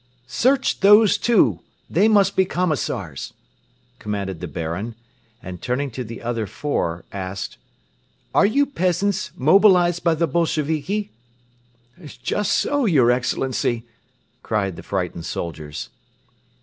"Search those two! They must be commissars!" commanded the Baron and, turning to the other four, asked: "Are you peasants mobilized by the Bolsheviki?" "Just so, Your Excellency!" cried the frightened soldiers.